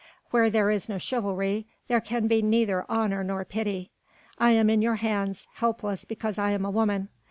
Where there is no chivalry, there can be neither honour nor pity. I am in your hands, helpless because I am a woman.